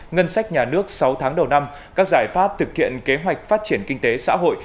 ngân sách nhà nước sáu tháng đầu năm các giải pháp thực hiện kế hoạch phát triển kinh tế xã hội